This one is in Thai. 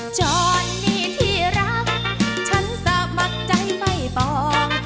จอนนี่ที่รักฉันสะมัดใจไม่ปล่อง